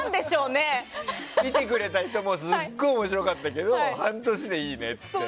見てくれた人もすごい面白かったけど半年でいいねって。